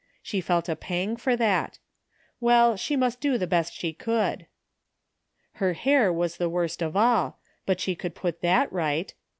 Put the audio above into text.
She felt a pang for that Well, she must do the best she could. Her hair was the worst of all, but she could put that right.